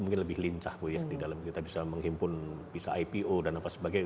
mungkin lebih lincah bu ya di dalam kita bisa menghimpun bisa ipo dan apa sebagainya